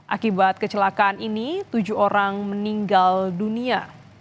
akibat kecelakaan ini tujuh orang meninggal dunia